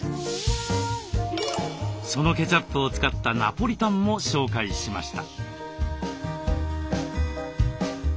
そのケチャップを使ったナポリタンも紹介しました。